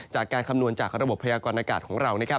คำนวณจากระบบพยากรณากาศของเรานะครับ